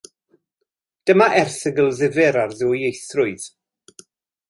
Dyma erthygl ddifyr ar ddwyieithrwydd.